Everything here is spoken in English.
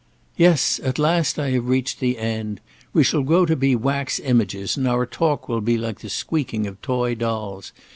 "Yes! at last I have reached the end! We shall grow to be wax images, and our talk will be like the squeaking of toy dolls.